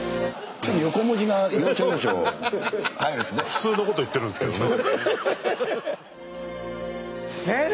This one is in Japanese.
普通のこと言ってるんですけどね。